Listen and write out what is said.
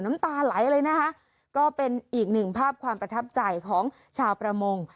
น้ำตาไหลเลยนะคะก็เป็นอีกหนึ่งภาพความประทับใจของชาวประมง